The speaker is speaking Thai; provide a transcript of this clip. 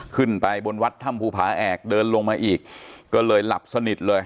ขึ้นไปบนวัดถ้ำภูผาแอกเดินลงมาอีกก็เลยหลับสนิทเลย